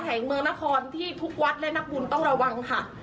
แห่งเมืองนครที่ทุกวัดและนักบุญต้องระวังค่ะ